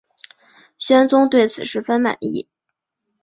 宣宗对此十分满意。